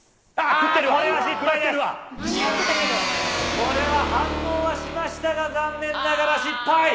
これは反応はしましたが、残念ながら失敗。